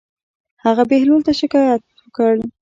هغه بهلول ته شکايت وکړ.